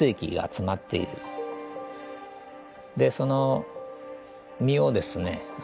でその実をですね